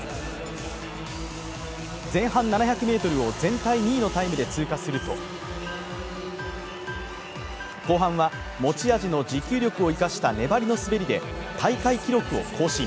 前半７００ｍを全体２位のタイムで通過すると後半は持ち味の持久力を生かした粘りの滑りで大会記録を更新。